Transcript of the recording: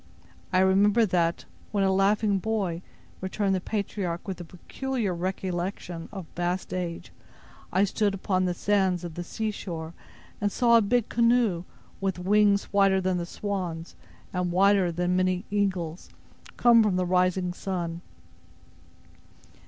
"I remember, that when a laughing boy," returned the patriarch, with the peculiar recollection of vast age, "I stood upon the sands of the sea shore, and saw a big canoe, with wings whiter than the swan's, and wider than many eagles, come from the rising sun."